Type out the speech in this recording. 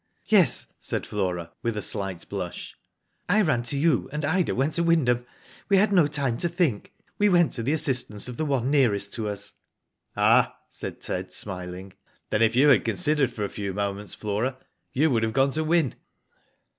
" Yes," said Flora, with a slight blush ;" I ran to you, and Ida went to Wyndham. We had no time to think. We went to the assistance of the one nearest to us." " Ah !" said Ted, smiling. " Then if you had considered for a few moments, Flora, you would have gone to Wyn."